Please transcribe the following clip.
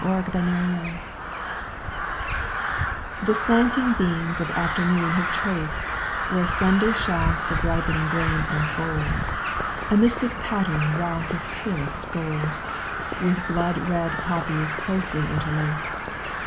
1 i Ibarvest HE slanting beams of after noon have traced, Where slender shafts of ripening grain unfold, A mystic pattern wrought of palest gold, With blood red poppies closely inter laced.